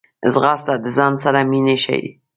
ځغاسته د ځان سره مینه ښيي